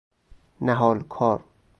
نهال کار